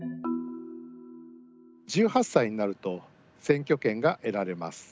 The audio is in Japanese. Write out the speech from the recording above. １８歳になると選挙権が得られます。